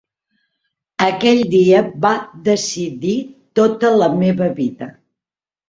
Aquell dia va decidir tota la meva vida.